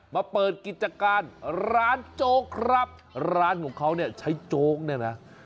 มาเปิดกิจการร้านโจ๊กครับร้านของเขาเนี่ยใช้โจ๊กเนี่ยนะ